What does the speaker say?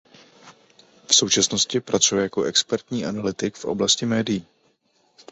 V současnosti pracuje jako expertní analytik v oblasti médií.